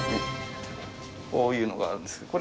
こういうのがあるんですけど。